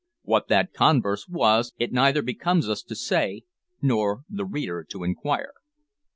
What that converse was it neither becomes us to say nor the reader to inquire.